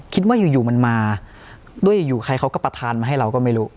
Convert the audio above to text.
คิดว่าอยู่มันมาด้วยอยู่ใครเขาก็ประธานมาให้เราก็ไม่รู้